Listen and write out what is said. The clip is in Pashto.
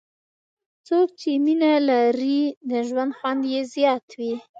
څوک چې مینه لري، د ژوند خوند یې زیات وي.